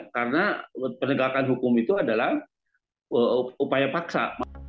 karena penegakan hukum itu adalah upaya paksa